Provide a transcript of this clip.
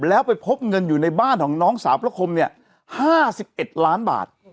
แล้วไปพบเงินอยู่ในบ้านของน้องสาวพระคมเนี่ย๕๑ล้านบาท